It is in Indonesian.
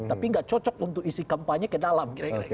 tapi gak cocok untuk isi kampanye ke dalam kira kira